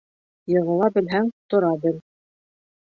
Йығыла белһәң, тора бел.